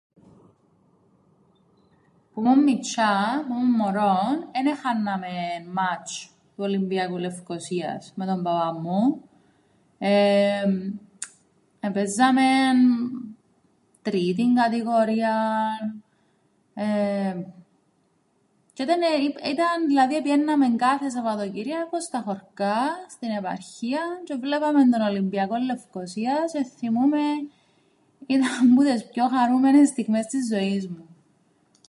Που 'μουν μιτσ̆ιά που 'μουν μωρόν εν εχάνναμεν ματς̆ του Ολυμπιακού Λευκωσίας με τον παπά μου εεεμ επαίζαμεν τρίτην κατηγορίαν εεεμ τζ̆αι ήταν- δηλαδή επηαίνναμεν κάθε Σαββατοκυρίακον στα χωρκά, στην επαρχίαν τζ̆αι εβλέπαμεν τον Ολυμπιακόν Λευωσίας τζ̆αι θθυμούμαι ήταν που τες πιο χαρούμενες στιγμές της ζωής μου.